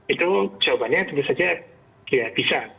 itu jawabannya tentu saja ya bisa